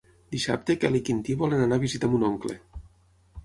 Dissabte en Quel i en Quintí volen anar a visitar mon oncle.